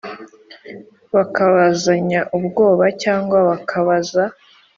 bakabazanya ubwabo cyangwa bakabaza